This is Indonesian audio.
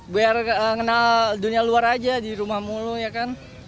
biar mengenal dunia luar aja di rumah mulu ya kan